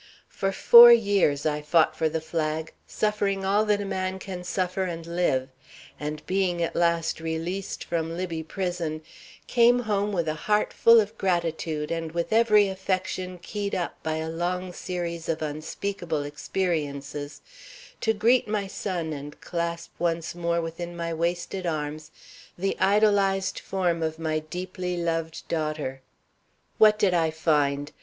For four years I fought for the flag, suffering all that a man can suffer and live, and being at last released from Libby Prison, came home with a heart full of gratitude and with every affection keyed up by a long series of unspeakable experiences, to greet my son and clasp once more within my wasted arms the idolized form of my deeply loved daughter. What did I find?